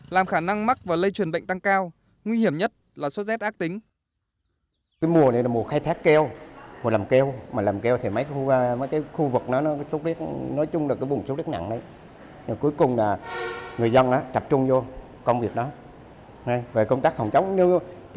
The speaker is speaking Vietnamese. làm khả năng mắc và lây truyền bệnh tăng cao nguy hiểm nhất là số z ác tính